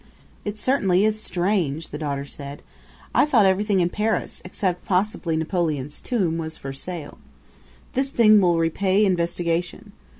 "It certainly is strange," the daughter said. "I thought everything in Paris, except possibly Napoleon's tomb, was for sale. This thing will repay investigation.